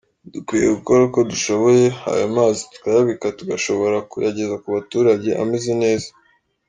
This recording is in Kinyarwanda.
dukwiye gukora uko dushoboye ayo mazi tukayabika tugashobora kuyageza ku baturage ameze neza”.